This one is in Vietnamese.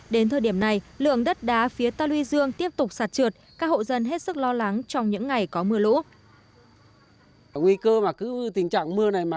đến thời điểm này lượng đất đá phía ta luy dương tiếp tục sạt trượt các hộ dân hết sức lo lắng trong những ngày có mưa lũ